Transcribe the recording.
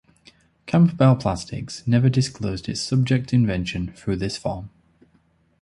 Campbell Plastics never disclosed its subject invention through this form.